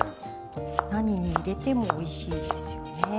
何に入れてもおいしいですよね。